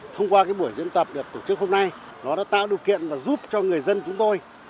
thông qua buổi diễn tập được tổ chức hôm nay nó đã tạo điều kiện và giúp cho người dân chúng tôi